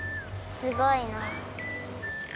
すごいな！